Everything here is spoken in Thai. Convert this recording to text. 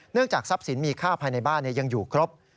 จากทรัพย์สินมีค่าภายในบ้านยังอยู่ครบ